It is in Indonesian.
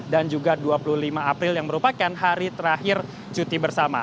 dan juga dua puluh lima april yang merupakan hari terakhir cuti bersama